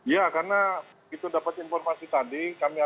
ya karena itu dapat informasi tadi